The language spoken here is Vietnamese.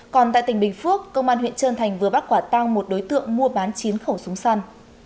còn tại tỉnh bình phước công an huyện trơn thành vừa bắt quả tang một đối tượng mua bán chín khẩu súng săn